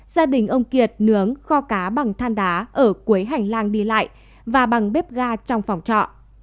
gia đình ông kiệt nướng kho cá bằng than đá ở cuối hành lang đi lại và bằng bếp ga trong phòng trọ